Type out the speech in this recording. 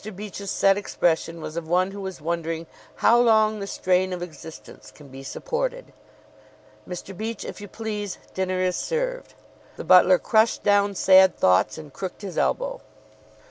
Beach's set expression was of one who is wondering how long the strain of existence can be supported. "Mr. Beach, if you please, dinner is served." The butler crushed down sad thoughts and crooked his elbow.